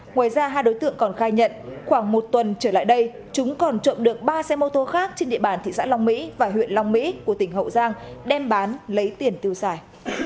ngoài ra hai đối tượng còn khai nhận khoảng một tuần trở lại đây chúng còn trộm được ba xe mô tô khác trên địa bàn thị xã long mỹ và huyện long mỹ của tỉnh hậu giang đem bán lấy tiền tiêu xài